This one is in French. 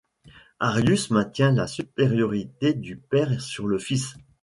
Arius maintient la supériorité du Père sur le Fils.